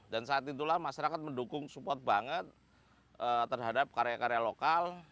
dan saat itulah masyarakat mendukung support banget terhadap karya karya lokal